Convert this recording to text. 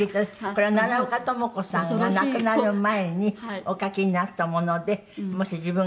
これは奈良岡朋子さんが亡くなる前にお書きになったものでもし自分が死ぬような事があったら